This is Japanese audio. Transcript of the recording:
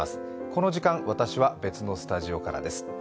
この時間、私は別のスタジオからです。